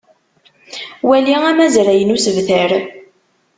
Wali amazray n usebter.